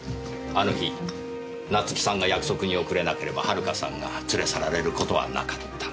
あの日夏樹さんが約束に遅れなければ遥さんが連れ去られる事はなかった。